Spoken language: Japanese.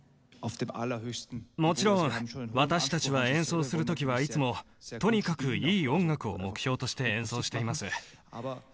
もちろん私たちは演奏する時はいつもとにかくいい音楽を目標として演奏しています。